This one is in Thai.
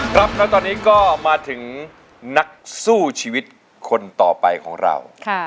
ครับแล้วตอนนี้ก็มาถึงนักสู้ชีวิตคนต่อไปของเรา